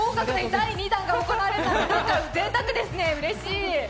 第２弾が行われるなんてぜいたくですね、うれしい！